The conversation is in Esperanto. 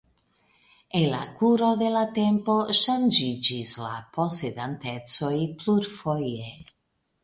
En la kuro de la tempo ŝanĝiĝis la posedantecoj plurfoje.